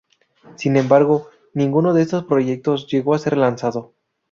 Sin embargo, ninguno de estos proyectos llegó a ser lanzado.